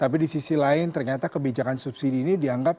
tapi di sisi lain ternyata kebijakan subsidi ini dianggap